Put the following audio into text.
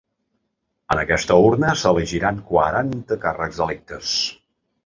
En aquesta urna s’elegiran quaranta càrrecs electes.